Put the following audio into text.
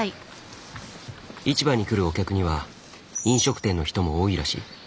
市場に来るお客には飲食店の人も多いらしい。